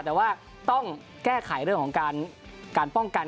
แต่ว่าต้องแก้ไขเรื่องของการป้องกัน